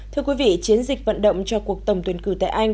thưa quý vị chiến dịch vận động cho cuộc tổng tuyển cử tại anh